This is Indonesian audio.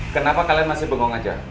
kenapa kalian masih bengong aja